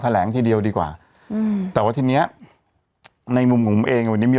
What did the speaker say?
แหลงทีเดียวดีกว่าอืมแต่ว่าทีเนี้ยในมุมของผมเองวันนี้มี